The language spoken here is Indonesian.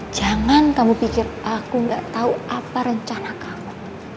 jangan kamu pikir aku gak tahu apa rencana kamu